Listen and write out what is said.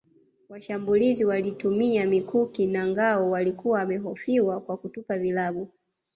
Washambulizi walitumia mikuki na ngao walikuwa wamehofiwa kwa kutupa vilabu